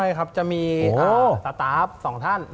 ใช่ครับจะมีสต๊าป๒ท่าน